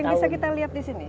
yang bisa kita lihat di sini